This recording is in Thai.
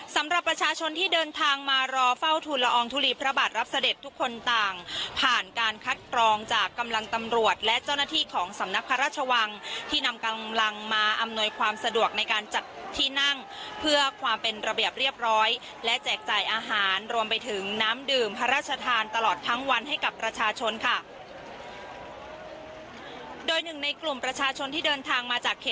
สำหรับประชาชนที่เดินทางมารอเฝ้าทุนละอองทุลีพระบาทรับเสด็จทุกคนต่างผ่านการคัดกรองจากกำลังตำรวจและเจ้าหน้าที่ของสำนักพระราชวังที่นำกำลังมาอำนวยความสะดวกในการจัดที่นั่งเพื่อความเป็นระเบียบเรียบร้อยและแจกจ่ายอาหารรวมไปถึงน้ำดื่มพระราชทานตลอดทั้งวันให้กับประชาชนค่ะ